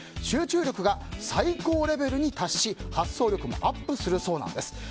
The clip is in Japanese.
集中力が最高レベルに達し発想力もアップするそうなんです。